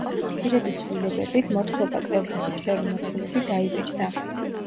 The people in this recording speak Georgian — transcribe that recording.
მცირედი ცვლილებებით, მოთხრობა კრებულში „ჭრელი მოთხრობები“ დაიბეჭდა.